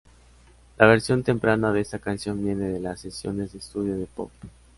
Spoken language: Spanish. La versión temprana de esta canción viene de las sesiones de estudio de "Pop".